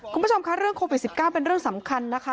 คุณผู้ชมค่ะเรื่องโควิด๑๙เป็นเรื่องสำคัญนะคะ